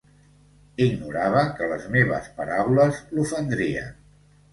Ignorava que les meves paraules l'ofendrien.